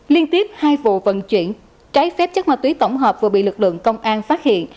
liên tiếp hai vụ vận chuyển trái phép chất ma túy tổng hợp vừa bị lực lượng công an phát hiện